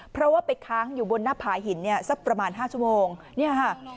เพราะว่าไปค้างอยู่บนหน้าผาหินเนี่ยสักประมาณ๕ชั่วโมงเนี่ยค่ะ